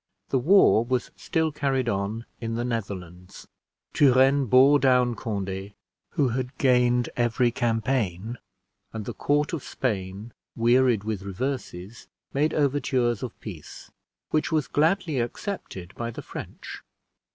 The war was still carried on in the Netherlands. Turenne bore down Conde, who had gained every campaign; and the court of Spain, wearied with reverses, made overtures of peace, which was gladly accepted by the French.